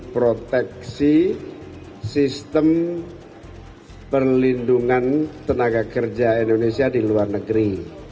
proteksi sistem perlindungan tenaga kerja indonesia di luar negeri